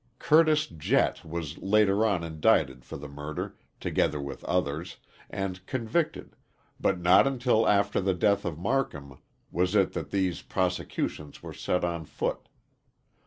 Curtis Jett was later on indicted for the murder, together with others, and convicted, but not until after the death of Marcum was it that these prosecutions were set on foot.